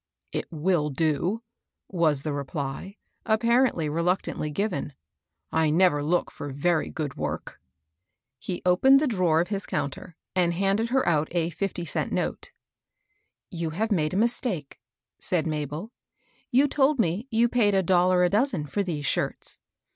" It will do," was the reply, apparently reluc tantly ipven. " I never look for very good work/* (86) 96 MABEL ROSS. He opened the drawer of his counter, and handed her out a fifty cent note. " You have made a mistake," said MabeL You told me you paid a dollar a dozen for these shirts."